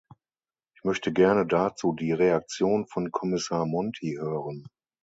Ich möchte gerne dazu die Reaktion von Kommissar Monti hören.